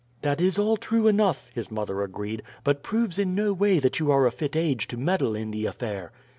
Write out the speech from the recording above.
"That is all true enough," his mother agreed; "but proves in no way that you are a fit age to meddle in the affair."